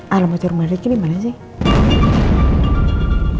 alam hati rumah riki dimana sih